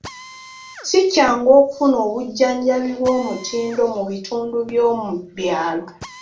Ssi kyangu okufuna obujjanjabi obw'omutindo mu bitundu by'omu byalo.